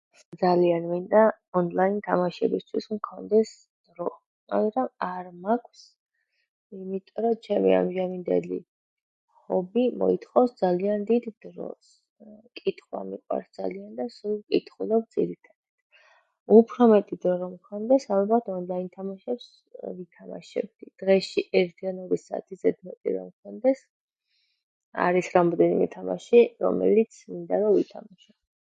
ძალიან მინდა ონლაინ თამაშებისთვის მქონდეს დრო მაგრამ არ მაქვს იმიტომ რომ ჩემი ამჟამინდელი ჰობი მოითხოვს ძალიან დიდ დროს კითხვა მიყვარს ძალიან და სულ ვკითხულობ ძირითადად უფრო მეტი დრო რომ მქონდეს ალბათ ონლაინ თამაშებს ვითამაშებდი დღეში ერთი ან ორი საათი ზედმეტი რომ მქონდეს არის რამოდენიმე თამაში რომელიც მინდა რომ ვითამაშო